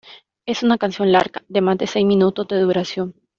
Es una canción larga, de más de seis minutos de duración.